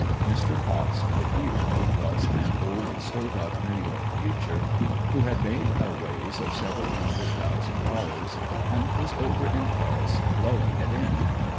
Mr. Potts, the hero, was an old stove up New York preacher, who had made a raise of several hundred thousand dollars and was over in Paris blowing it in.